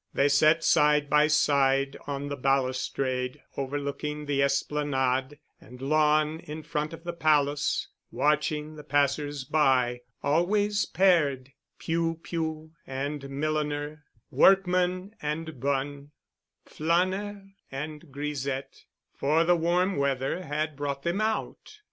They sat side by side on the balustrade overlooking the esplanade and lawn in front of the Palace, watching the passers by, always paired, piou piou and milliner, workman and bonne, flaneur and grisette, for the warm weather had brought them out.